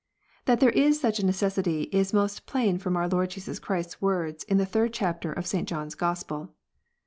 That there is such a necessity is most plain from our Lord Jesus Christ s words in the third chapter of St. John s Gospel.